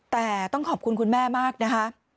แต่ต้องขอบคุณคุณแม่มากนะคะ